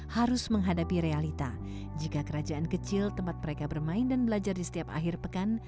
harus menghadapi realita jika kerajaan kecil tempat mereka bermain dan belajar di setiap akhir pekan